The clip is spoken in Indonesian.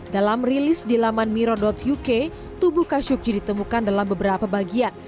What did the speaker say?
dalam rilis di laman miro uk tubuh khashoggi ditemukan dalam beberapa bagian